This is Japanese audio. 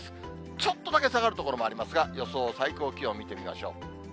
ちょっとだけ下がる所もありますが、予想最高気温見てみましょう。